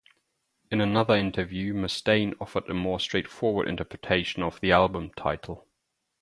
In another interview, Mustaine offered a more straightforward interpretation of the album title.